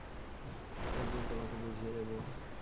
একদিন তোমাকে বুঝিয়ে দেবো।